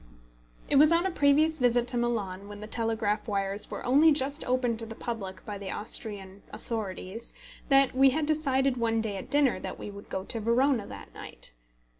It was on a previous visit to Milan, when the telegraph wires were only just opened to the public by the Austrian authorities, that we had decided one day at dinner that we would go to Verona that night.